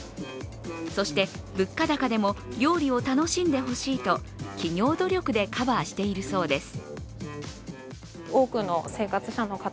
そして物価高でも料理を楽しんでほしいと企業努力でカバーしているそうです。